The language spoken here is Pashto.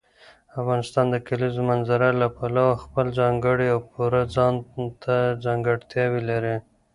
افغانستان د کلیزو منظره له پلوه خپله ځانګړې او پوره ځانته ځانګړتیاوې لري.